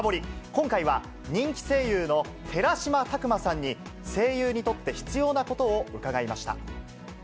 今回は、人気声優の寺島拓篤さんに、声優にとって必要なことを伺いました。